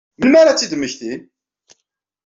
Melmi ara ad tt-id-mmektin?